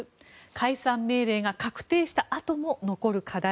解散命令が確定したあとも残る課題。